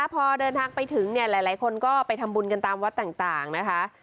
พอเดินทางไปถึงเนี่ยหลายคนก็ไปทำบุญกันตามวัดต่างนะคะ